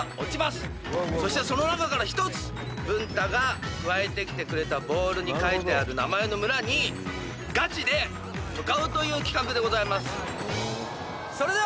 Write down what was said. そしてその中から１つ文太がくわえてきてくれたボールに書いてある名前の村にガチで向かうという企画でございます。